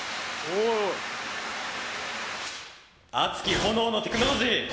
熱き炎のテクノロジー！